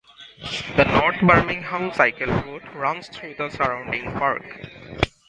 The north Birmingham cycle route runs through the surrounding park.